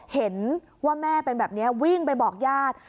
เห็นว่าแม่เป็นแบบนี้วิ่งไปบอกญาติ